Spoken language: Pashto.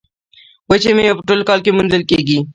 وچې میوې په ټول کال کې موندل کیږي.